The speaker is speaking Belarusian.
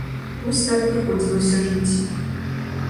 Вось так прыходзілася жыць.